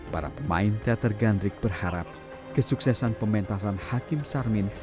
para pemain teater gandrik berharap kesuksesan pementasan hakim sarmin